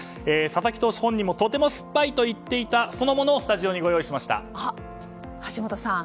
佐々木投手本人もとても酸っぱいと言っていたそのものをスタジオにご用意しました。